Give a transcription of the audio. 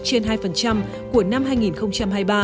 trên hai của năm hai nghìn hai mươi ba